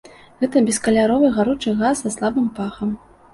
Гэта бескаляровы гаручы газ са слабым пахам.